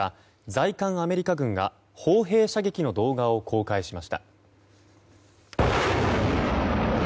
在韓アメリカ軍が砲兵射撃の動画を公開しました。